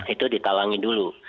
itu ditalangi dulu